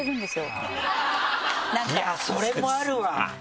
いやそれもあるわ。